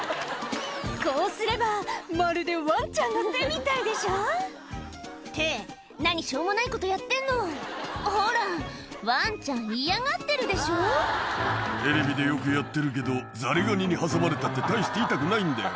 「こうすればまるでワンちゃんの手みたいでしょ」って何しょうもないことやってんのほらワンちゃん嫌がってるでしょ「テレビでよくやってるけどザリガニに挟まれたって大して痛くないんだよ